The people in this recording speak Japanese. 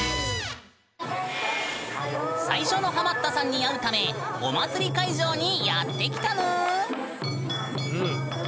最初のハマったさんに会うためお祭り会場にやって来たぬん！